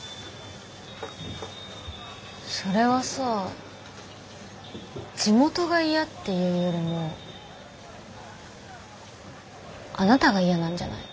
それはさ地元が嫌っていうよりもあなたが嫌なんじゃない？